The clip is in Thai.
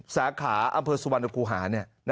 สาขาอำเภอสุวรรณคูหา